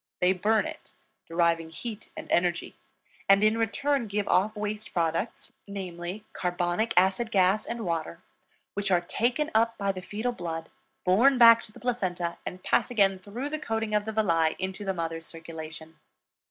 They burn it, deriving heat and energy, and in return give off waste products, namely, carbonic acid gas and water, which are taken up by the fetal blood, borne back to the placenta, and pass again through the coating of the villi into the mother's circulation.